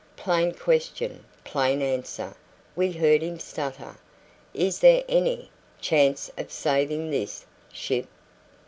"Plain question plain answer," we heard him stutter. "Is there any chance of saving this ship?"